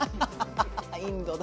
インドの。